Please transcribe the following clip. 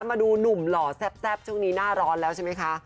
มาดูหนุ่มหล่อแซ่บช่วงนี้หน้าร้อนแล้วใช่ไหมคะ